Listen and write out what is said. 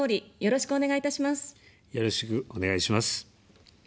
よろしくお願いします。